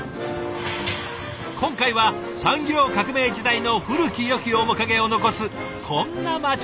今回は産業革命時代の古きよき面影を残すこんな街から！